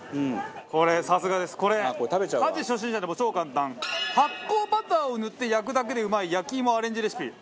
これ家事初心者でも超簡単発酵バターを塗って焼くだけでうまい焼き芋アレンジレシピがあると。